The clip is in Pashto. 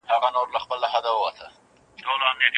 استازي به د خپلو سيمو استازيتوب کوي.